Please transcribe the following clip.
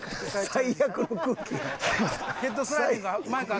最悪の空気。